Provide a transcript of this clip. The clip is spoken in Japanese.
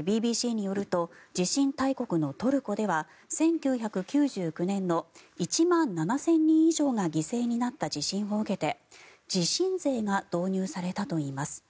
ＢＢＣによると地震大国のトルコでは１９９９年の１万７０００人以上が犠牲になった地震を受けて地震税が導入されたといいます。